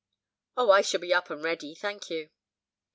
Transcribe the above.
"Oh! I shall be up and ready, thank you."